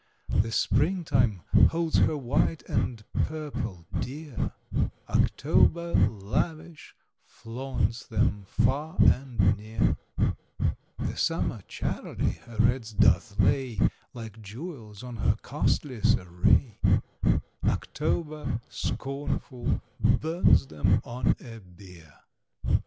The spring time holds her white and purple dear; October, lavish, flaunts them far and near; The summer charily her reds doth lay Like jewels on her costliest array; October, scornful, burns them on a bier.